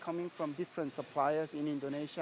datang dari pengeluaran dari pelanggan di indonesia